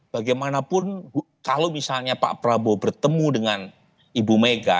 bagaimanapun kalau misalnya pak prabowo bertemu dengan ibu mega